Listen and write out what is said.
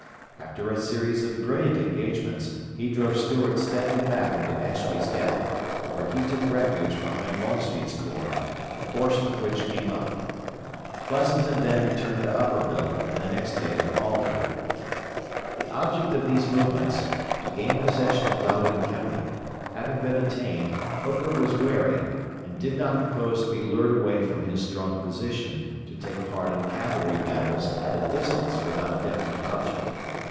After a series of brilliant engagements he drove Start steadily back into Ashby's Gap, where he took refuge behind Longstreet's Corps, a portion of which came up. Pleasonton then returned to Upperville and next day to Aldie. The object of these movements to gain possession of Loudon County having been attained, Hooker was wary, and did not propose to be lured away from his strong position, to take part in cavalry battles at a distance without a definite object.